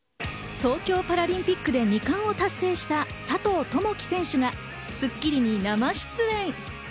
東京パラリンピックで２冠を達成した佐藤友祈選手が『スッキリ』に生出演。